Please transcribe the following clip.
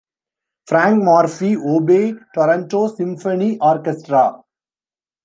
Frank Morphy, Oboe, Toronto Symphony Orchestra.